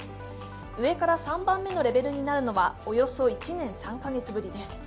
上から３番目のレベルになるのはおよそ１年３カ月ぶりです。